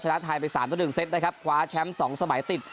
ชนะไทยไปสามต่อหนึ่งเซตได้ครับขวาแชมป์สองสมัยติด